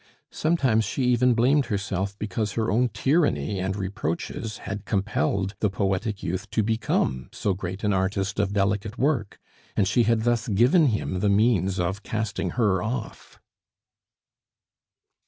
Sometimes she even blamed herself because her own tyranny and reproaches had compelled the poetic youth to become so great an artist of delicate work, and she had thus given him the means of casting her off.